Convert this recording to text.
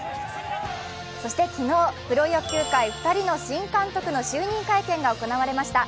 そして昨日、プロ野球界２人の新監督の就任会見が行われました。